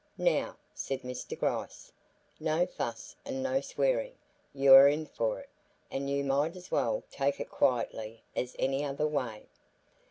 "Now," said Mr. Gryce, "no fuss and no swearing; you are in for it, and you might as well take it quietly as any other way."